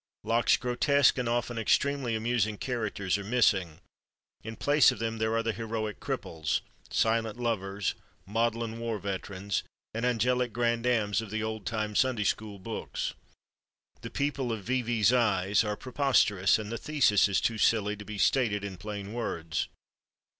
Locke's grotesque and often extremely amusing characters are missing; in place of them there are the heroic cripples, silent lovers, maudlin war veterans and angelic grandams of the old time Sunday school books. The people of "V. V.'s Eyes" are preposterous and the thesis is too silly to be stated in plain words.